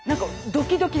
ドキドキ。